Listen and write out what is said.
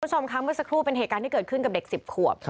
คุณผู้ชมค่ะเมื่อสักครู่เป็นเหตุการณ์ที่เกิดขึ้นกับเด็ก๑๐ขวบ